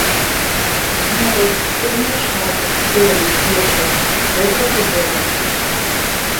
Дзверы, сценныя шафы, столі, печы шчодра ўпрыгожаны.